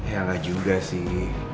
ya gak juga sih